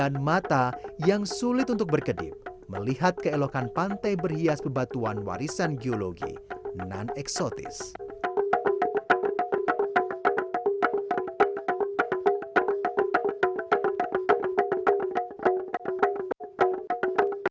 nah ini adalah bunyi yang lebih rendah